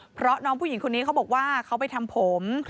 เพราะน้องผู้หญิงคนนี้เขาบอกว่าเขาไปทำผม